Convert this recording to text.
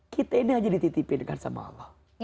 kita ini aja dititipin kan sama allah